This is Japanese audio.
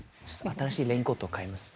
新しいレインコートを買います。